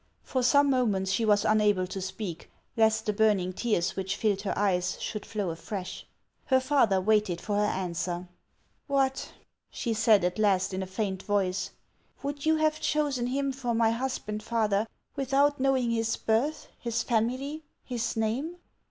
For some moments she was unable to speak, lest the burning tears which filled her eyes should flow afresh. Her father waited for her answer. " What !" she said at last in a faint voice, " would you have chosen him for my husband, father, without knowing his birth, his family, his name